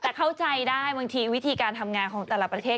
แต่เข้าใจได้บางทีวิธีการทำงานของแต่ละประเทศ